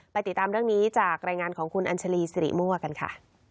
ติดตามเรื่องนี้จากรายงานของคุณอัญชาลีสิริมั่วกันค่ะ